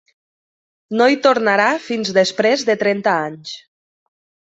No hi tornarà fins després de trenta anys.